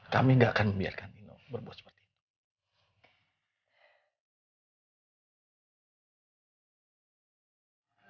kami gak akan membiarkan nino berbuat seperti ini